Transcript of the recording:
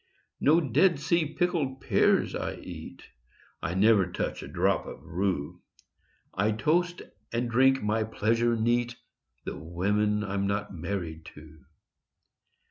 No Dead Sea pickled pears I eat; I never touch a drop of rue; I toast, and drink my pleasure neat, The women I'm not married to!